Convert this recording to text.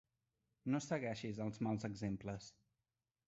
No segueixis els mals exemples.